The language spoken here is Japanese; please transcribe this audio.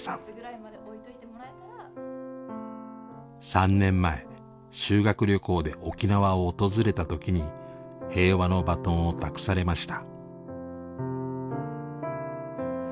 ３年前修学旅行で沖縄を訪れた時に平和のバトンを託されました。